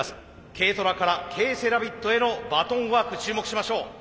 ＫトラからＫセラビットへのバトンワーク注目しましょう。